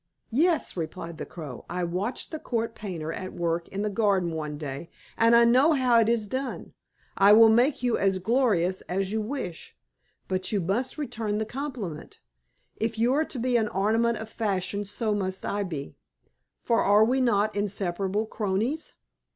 "Yes," replied the Crow; "I watched the Court Painter at work in the garden one day, and I know how it is done. I will make you as gorgeous as you wish. But you must return the compliment. If you are to be an ornament of fashion, so must I be; for are we not inseparable cronies?